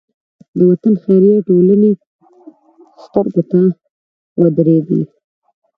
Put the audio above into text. د وطن خیریه ټولنې سترګو ته ودرېدې.